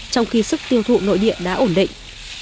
trong khi sức tiêu thụ nội địa đã ổn định